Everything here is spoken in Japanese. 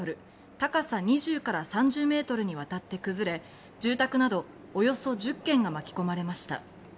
高さ２０ｍから３０ｍにわたって崩れ住宅などおよそ１０軒が巻き込まれました。